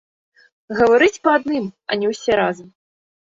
Гаварыць па адным, а не ўсе разам.